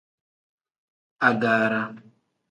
Agaara.